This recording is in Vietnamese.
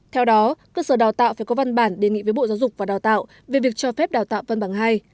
theo đó cơ sở đào tạo phải có văn bản đề nghị với bộ giáo dục và đào tạo về việc cho phép đào tạo văn bằng hai